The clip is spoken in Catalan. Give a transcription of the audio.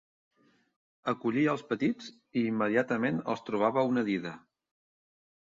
Acollia els petits i immediatament els trobava una dida.